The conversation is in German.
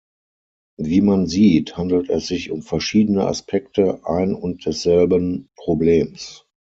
Wie man sieht, handelt es sich um verschiedene Aspekte ein und desselben Problems.